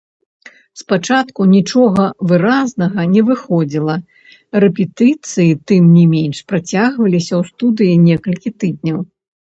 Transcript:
Спачатку нічога выразнага не выходзіла, рэпетыцыі тым не менш працягваліся ў студыі некалькі тыдняў.